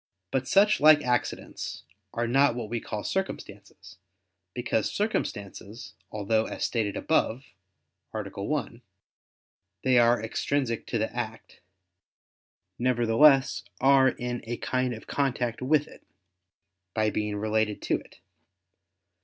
But such like accidents are not what we call circumstances; because circumstances although, as stated above (A. 1), they are extrinsic to the act, nevertheless are in a kind of contact with it, by being related to it.